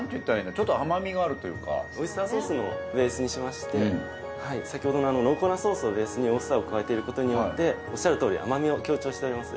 ちょっと甘みがあるというかオイスターソースのベースにしまして先ほどの濃厚なソースをベースにオイスターを加えていることによっておっしゃるとおり甘みを強調しております